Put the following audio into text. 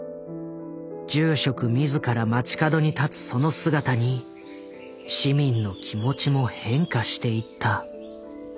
住職自ら街角に立つその姿に市民の気持ちも変化していった。